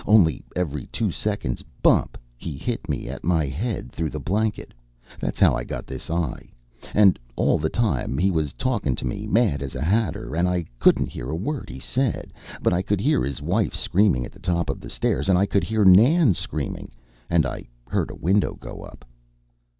Only, every two seconds, bump! he hit at my head through the blanket. That's how I got this eye. And, all the time, he was talking to me, mad as a hatter, and I couldn't hear a word he said. But I could hear his wife screaming at the top of the stairs, and I could hear Nan screaming, and I heard a window go up.